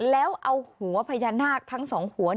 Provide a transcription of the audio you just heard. แล้วเอาหัวพญานาคทั้งสองหัว